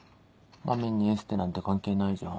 まみんにエステなんて関係ないじゃん。